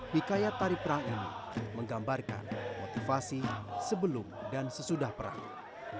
hikayat tari perang ini menggambarkan motivasi sebelum dan sesudah perang